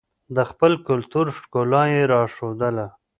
د خپل کلتور ښکلا یې راښودله.